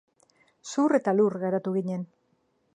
Zur eta lur geratu ginen.